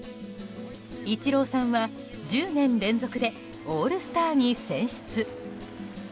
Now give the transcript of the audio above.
イチローさんは１０年連続でオールスターに選出。